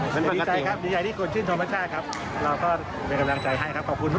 เราก็เป็นกำลังใจให้ขอบคุณทุกกำลังใจนะครับ